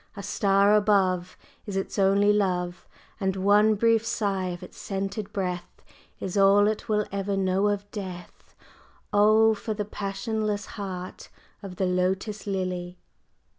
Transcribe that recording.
A star above Is its only love, And one brief sigh of its scented breath Is all it will ever know of Death! Oh, for the passionless heart of the Lotus Lily!"